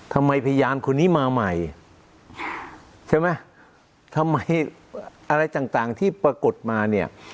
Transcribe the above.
พยานคนนี้มาใหม่ใช่ไหมทำไมอะไรต่างที่ปรากฏมาเนี่ย